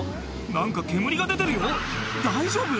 何か煙が出てるよ大丈夫？